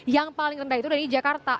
yang paling rendah itu dari jakarta